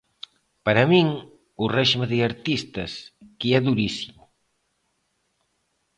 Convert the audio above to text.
Para min, o réxime de artistas, que é durísimo.